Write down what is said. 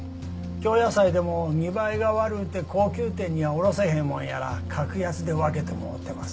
京野菜でも見栄えが悪うて高級店には卸せへんもんやら格安で分けてもろうてます。